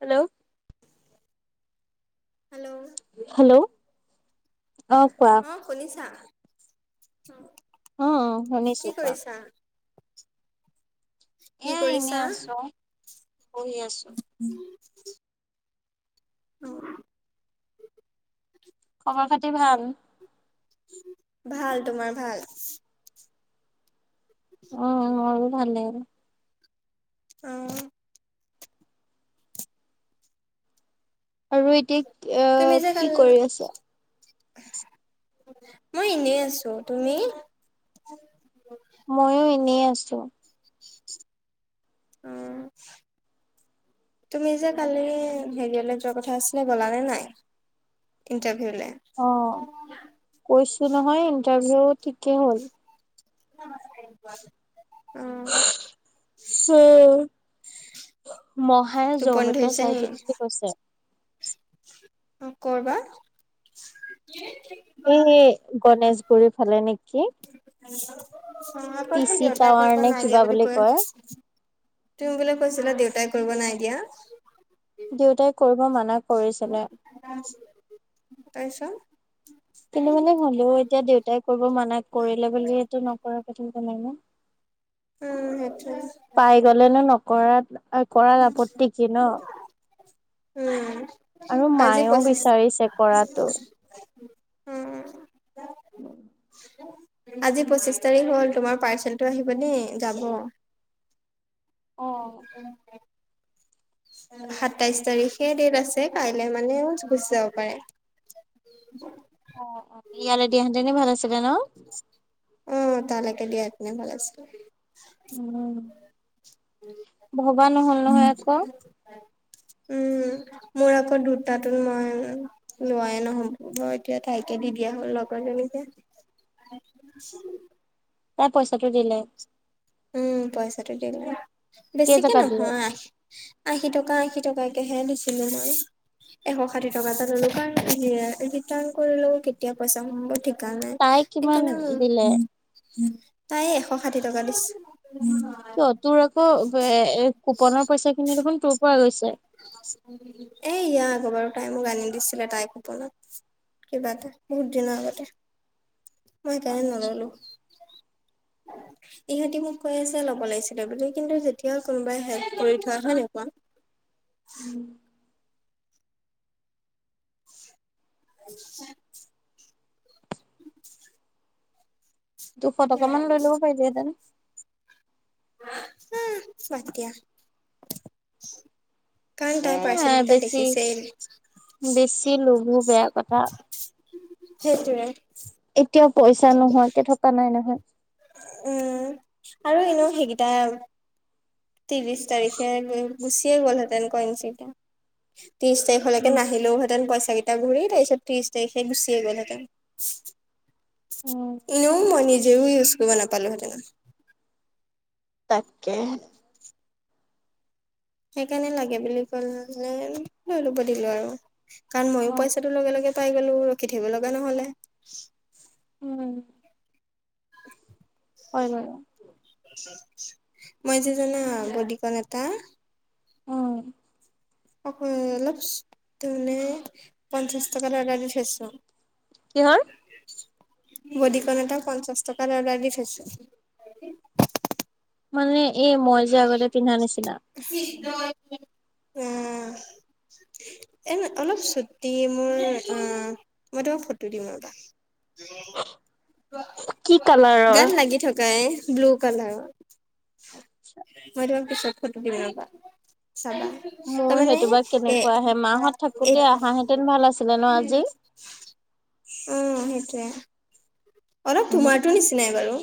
Hello hello hello অ কোৱা অ শুনিছা অ অ অ শুনিছো কি কোৱা কৰিছা? কি এয়া এনে কৰিছা? আছো বহি আছো। অ খবৰ খাতি ভাল? ভাল। তোমাৰ ভাল? অ মোৰো ভালে অহ আৰু এতিয়া এ তুমি যে কি কালি কৰি আছা? মই এনেই আছো। তুমি? ময়ো এনেই আছো। অ তুমি যে কালি হেৰিয়ালে যোৱা কথা আছিলে গ'লা নে নাই? ইণ্টাৰভিউলে অ কৈছো নহয় ইণ্টাৰভিউ ঠিকেই হ'ল। উম মহায়ে জব টোপনি এটা ধৰিছে চাই নি দিম বুলি কৈছে অ কৰবাৰ এই গণেশগুৰিৰ ফালে নেকি অ কৈছ টিচি দেউতাই টাৱাৰ ক নে নাইকিয়া কিবা বুলি কৈ আছে কয় তুমি বোলে কৈছিলা দেউতাই কৰিব নাই দিয়া দেউতাই কৰিব মানা কৰিছিলে তাৰপিছত কিন্তু মানে হ'লেও এতিয়া দেউতাই কৰিব মান কৰিলে বুলিটো নকৰাৰ কথা নাই ন উম সেইটোৱে কৰা অ কৰাত আপত্তি কি ন? উম আৰু আজি মায়েও পচিশ বিচাৰিছে কৰাটো। উম উম [unintelligible] আজি পঁচিশ তাৰিখ হ'ল তোমাৰ পাৰ্চেলটো আহিব দেই যাব উ [unintelligible] অ', সাতাইশ তাৰিখে ডেট আছে কাইলে মানেও গুচি যাব পাৰে উ ইয়ালে দিয়া হেতেনে ভাল আছিলে ন অ তালেকে দিয়াত নে ভাল আছিলে উম ভবা নহল উম নহয় আকৌ মোৰ আকৌ দুটাতো মই লোৱাই নহব মই এতিয়া তাইকে দি দিয়া হ'ল লগত [unintelligible] তাই পইচাটো দিলে উম পইচাটো দিলো কেই বেছিকে টকা দিলে নহয় আশী টকা আশী টকা তাইাকেহে দিছিলো মই এশ ষাঠি টকা এটা ললো কাৰণ ৰিটাৰ্ণ কৰিলও কেতিয়া পইচা সোমাব দিম সেইকাৰণে তাই ই কিমান দিলে? সকাৰণে তাইে এশ ষাঠি টকা দিছে কিয় তোৰ আকৌ কুপনৰ পইচা খিনি দেখোন তোৰ পৰা গৈছে এ ইয়া আগবাৰ তাই মোক আনি দিছিলে তাই কপনত কিবা এটা বহুত দিনৰ আগতে মই এইকাৰণে নললো ইহ ই মোক কৈ আছে ল'ব লাগিছিলে বুলি কিন্তু তেতিয়াও কোনোবাই হেল্প কৰি থোৱা হয় নাই কোৱা? উম, [unintelligible] দুশ টকা মান লৈ ল'ব পাৰিলিহেঁতেন। উম, বাদ দিয়া। কাৰণ তাই এ পাৰ্চেলকেইটা বেছি দেখিছেই। বেছি লোভো বেয়া কথা। সেইটোৱে এতিয়াও পইচা নোহোৱা কে থকা নাই নহয়। উম, আৰু এনেও সেইগেটা ত্ৰিছ তাৰিখে গুচিয়ে গ'লহেঁতেন কয়েঞ্চকেইটা। ত্ৰিছ তাৰিখলৈকে উম। নাহিলেওহেঁতেন পইচাকেইটা ঘূৰি তাৰপিছত ত্ৰিছ তাৰিখে গুচিয়েগ'লহেঁতেন। উম, এনেও মই নিজেও ইউচ কৰিব নাপালোঁ হেঁতেনা তাকে। সেইকাৰণে লাগে বুলি কলে লৈ ল'ব দিলো আৰু কাৰণ মইও অ'। পইচাটো লগে-লগে এ পাই গ'লো ৰখি থাকিব লগা নহ'লে। উম, হয় মানে। মই যে জানা বদিকন এটা উম, [unintelligible] অলপচ ত' মানে পঞ্চাচ টকা লগাই দি থৈছোঁ। কিহৰ? বদিকণ এটা পঞ্চাচ টকাত অৰ্ডাৰ দি থৈছো। মানে এই মই যে আগতে পিন্ধা নিচিনা। [unintelligible] উম। এ অলপ ছুটি মোৰ অ মই তোমাক ফটো দিম ৰবা। কি কালাৰৰ গাত লাগি থকা এ ব্লু কালাৰ ৰ [inaudible] মই তোমাক পিছত ফটো দিম ৰবা চাবা মোৰ তাৰ মানে সেইটো বা এ কেনেকুৱা আহে মাহত থাকোতে আহাহেঁতেন ভাল আছিলে ন এ আজি অ সেইটোৱে অলপ উহু তোমাৰটো নিচিনাই বাৰু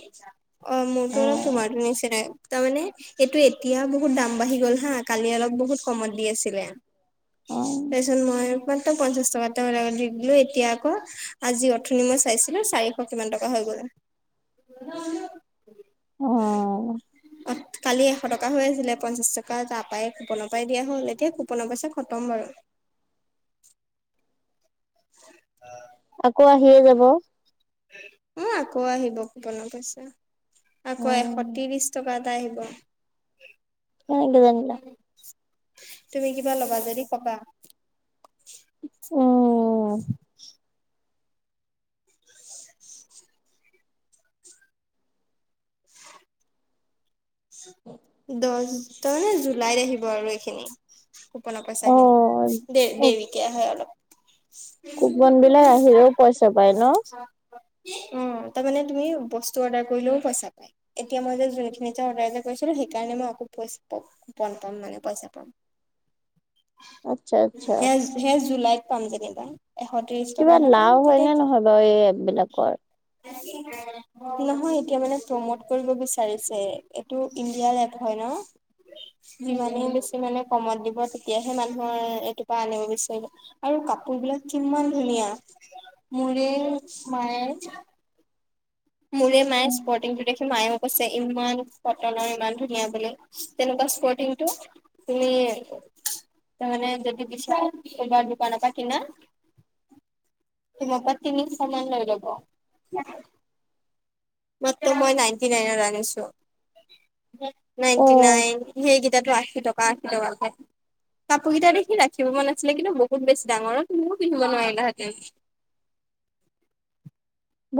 অ মোৰতো অলপ তোমাৰটো নিচিনাই তাৰমানে এইটো এতিয়া বহুত দাম বাঢ়ি গ'ল হা কালি অলপ বহুত কমত দি আছিলে। অ তাৰ পিছত মইাত পঞ্চাশ টকা দি দিলো এতিয়া আকৌ আজি অঠনি ম চাইছিলোঁ চাৰিশ কিমান টকা হৈ গল। অ অ কালিয এশ টকা হৈ আছিলে পঞ্চাছ টকা তাৰ পায় কুপনৰ পৰাই দিয়া হ'ল এতিয়া কুপনৰ পইচা খতম বাৰু। [unintelligible] [unintelligible] আকৌ আহিয়ে যাব অ আকৌ আহিব পিবনা পইচা আকৌ এশ উম ত্ৰিশ টকা, আহিব এনেক দেনিল [unintelligible] তুমি কিবা লবা যদি কবা। অম দহ নে জুলাইত আহিব আৰু এইখিনি। কোপনৰ পইচা অ খিনি অ দেৰিকৈ আহে অলপ। [unintelligible] অ কুপন বিলাক তাৰ আহিলেও পইচা পায় ন মানে তুমি বস্তু অৰ্ডাৰ কৰিলেও পইচা পাই এতিয়া মই যে যোনখিনি এ অৰ্ডাৰ এ সেইকাৰণে মই আকৌ পইচম পাম মানে পইচা পাম। আচ্ছা আচ্ছা সে সে জুুলাইত পাম যেনেবা, কিবা লাও হয় নে নহয় বাৰু এই এপ বিলাকৰ? নহয় এতিয়া মানে প্ৰমোট কৰিব বিচাৰিছে এইটো, ইণ্ডিয়াৰ এপ হয় ন উম যিমানেই বেছি মানে কমত দিব তেতিয়াহে মানুহৰ এইটোৰ পৰা আনিব বিচাৰিব আৰু কাপোৰ বিলাক কিমান ধুনীয়া। মুৰে মায়ে, মূৰে মায়ে উম স্পটংটো দেখো মায়েও কৈছে ইমান কটনৰ ইমান ধুনীয়া বুলি তেনেকুৱা স্পৰ্টিংটো তুমি [inaudible] তাৰমানে যদি বিচৰা ক'ৰবাৰ দোকান পাৰ কিনা তোমাৰ পৰা তিনিশ মান লৈয় ল'ব। মাত্ৰ মই নাইনটি নাইনত আনিছোঁ। অ নাইনটি নাইন সেইকেইটাটো আশী টকা আশী টকাকে কাপোৰ কেইটা দেখি ৰাখিব মন আছিলে। কিন্তু বহুত বেছি ডাঙৰ তুমিও পিন্ধিব নোৱাৰিলাহেঁতেন।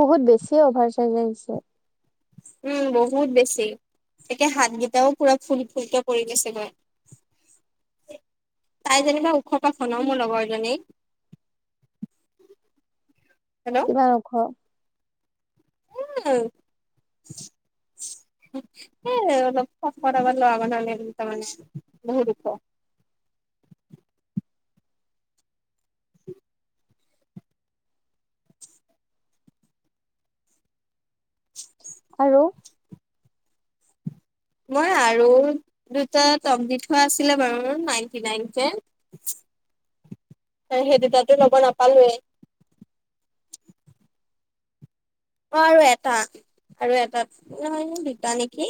বহুত বেছিয়ে অভাৰ চাৰ্জ আহিছে। উম, বহুত বেছি। একে হাতগেইটাও পুৰা ফুল ফুলকে পৰি গৈছে গৈ। এ তাই যেনিবা ওখৰ পাখ ন মোৰ লগৰ জনী। কিমান ওখ? উম। [inaudible] এই অলপ খকট আপট ল'ৰা মানুহ নিচিনা মানে বহু ওখ। [inaudible] আৰু? মই আৰু দুটা টপ দি থোৱা আছিল বাৰু নাইন্টি নাইনকে। [inaudible] হেই সেই দুটাটতো ল'ব নাপালোৱেই [inaudible] বাৰু এটা আৰু এটাত ন দুটা নেকি?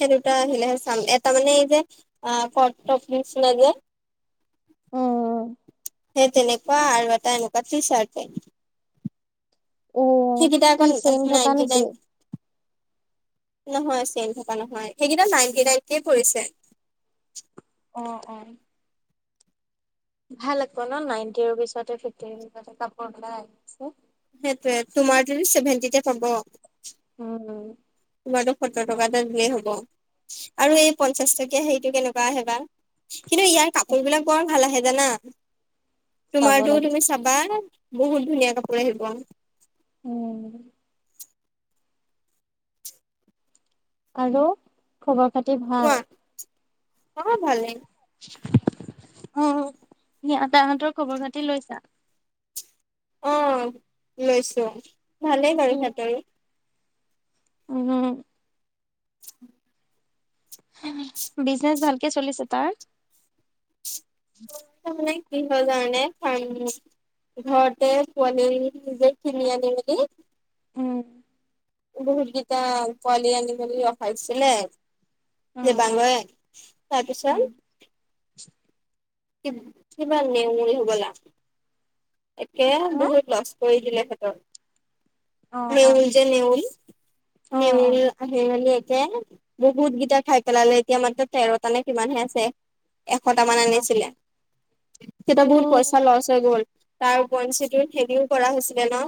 সেই দুটা আহিলেহে চাম, এটা মানে এই যে [unintelligible] যে। উ সেই তেনেকুৱা আৰু এটা এনেকুৱা টি চাৰ্ট উম, সেইকেইটা আকৌ কি চেইন থকা নাইনটি নেকি? নাইন নহয় চেইন থকা নহয়, সেইকেইটা নাইনটি নাইন কেই পৰিছে। অ' অ'। ভাল আকৌ ন নাইনটি ৰুপিছতে ফিফটিৰ ৰুপিছতে কাপোৰ ওলাই আহিছে। সেইটোয়েই, তোমাৰ যদি চেভেণ্টিতে পাব উম উম। তোমাৰটো সত্তৰ টকা এটা দিলেই হ'ব, আৰু এই পঞ্চাশ টকীয়া হেৰিটো কেনেকুৱা আহে বা। কিন্তু ইয়াৰ কাপোৰবিলাক বৰ ভাল আহে জানা, চাব তোমাৰতোও লাগিব তুমি চাবা বহুত ধুনীয়া কাপোৰ আহিব। উম। আৰু, খবৰ খাতি ভাল? কোৱা অ' ভালেই। অ', [unintelligible] হঁতৰ খবৰ খাতি লৈছা? অ' লৈছো, ভালেই বাৰু উম সিহঁতৰো। উম। উ বিজনেচ ভালকে চলিছে তাৰ? নাই কি হ'ল জানানে, ফাৰ্ম ঘৰতে পোৱালি নিজে কিনি আনিলেগে উম। বহুতকেইটা পোৱালি আনি মেলি ৰখাইছিলে উম যে বান্দৰে, উম তাৰপিছত কিবা নেউল হ'বলা, একে হা বহুত লছ কৰি দিলে সেইটো। অ অ নেউল যে নেউল, অ অ নেউল আহি মেলি লে, বহুতকেইটা খাই পেলালে, এতিয়া মাত্ৰ তেৰটা নে কিমান হে আছে। এশটামান আছো আনিছিলে। তেতিয়া বহুত উম পইচা লচ হৈ গ'ল, তাৰ ওপৰঞ্চিটো হেৰিও কৰা হৈছিলে ন।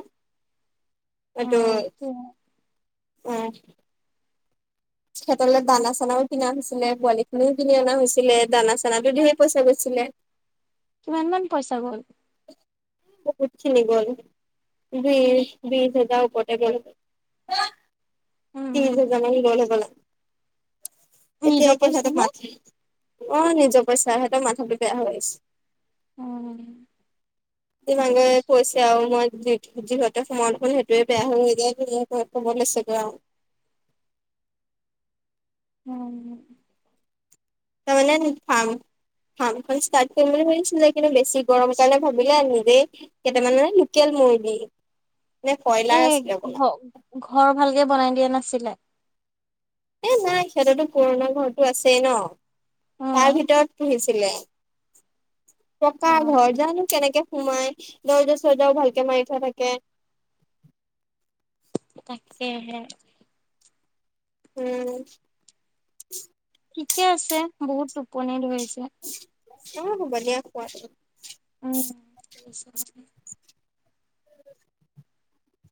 সেইটো, উম। সিহঁতলৈ দানা চানাও কিনা হৈছিলে পোৱালি খিনিও কিনি অনা হৈছিলে, দানা চানাটো ঢেৰ পইচা গৈছিল। লে কিমান মান পইচা গ'ল? বহুতখিনি গ'ল। বিছ-বিছ হাজাৰ ওপৰতে গ'ল। উম তিনিহাজাৰ মান নিবলৈ পালে। নিজৰ এতিয়া-এতিয়া পইচা সিহঁতক নে? [unintelligible] অ', নিজৰ পইচা, সেইকাৰণে মাথাটো বেয়া হৈ আহিছে। উম দিমাাগে বুজিছো কৈছে আৰু মই যি যিহতে সময় ফোন সেইটোৱে বেয়া হৈ যায় ম ক'ব লৈছেগে আৰু। উম। Permanent farm. ফাৰ্মখন ষ্টাৰ্ট কৰিম বুলি ভাবিছিলে, কিন্তু বেছি গৰম কাৰণে ভাবিলে, নিজেই কেইটামান মানে লোকেল মুৰ্গী নে এ, কয়লাৰ আছিলে হবলা ঘ ঘৰ ভালকে বনাই দিয়া নাছিলে। এ, নাই সিহঁতেতো পুৰণা ঘৰটো আছেই ন। তাৰ উম ভিতৰত পুহিছিলে। ককা অ ঘৰ জানো কেনেকে সোমাই দৰ্জা-চৰ্জাও ভালকে মাৰি থোৱা থাকে। তাকেহে। উম। ঠিকে আছে বহুত টোপনি ধৰিছে। অ', বনীয়া খোৱা। [unintelligible]